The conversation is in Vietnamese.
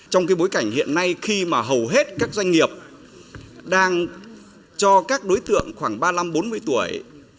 trong bối cảnh hiện nay khi mà hầu hết các doanh nghiệp đang cho các đối tượng khoảng ba mươi năm bốn mươi tuổi